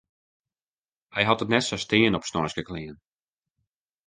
Hy hat it net sa stean op sneinske klean.